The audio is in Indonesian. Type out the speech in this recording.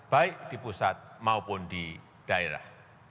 baik di pusat maupun di daerah